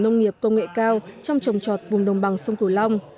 nông nghiệp công nghệ cao trong trồng trọt vùng đồng bằng sông cửu long